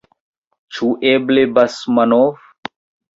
Ĉu eble Basmanov?